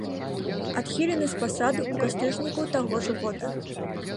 Адхілены з пасады ў кастрычніку таго ж года.